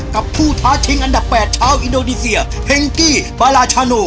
กับผู้ท้าชิงอันดับ๘ชาวอินโดนีเซียเฮงกี้บาราชาโน